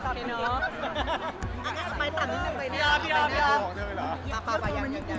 พอพร้อมค่ะ